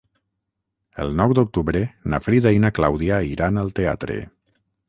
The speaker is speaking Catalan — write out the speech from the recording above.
El nou d'octubre na Frida i na Clàudia iran al teatre.